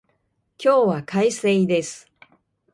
今日は快晴です。